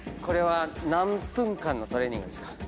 これは何分間のトレーニングですか？